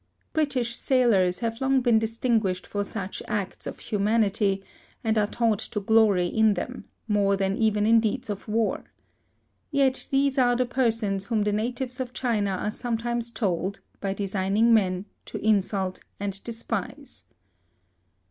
British sailors have long been distinguished for such acts of humanity, and are taught to glory in them, more than even in deeds of war. Yet these are the persons whom the natives of China are sometimes told, by designing men, to insult and despise.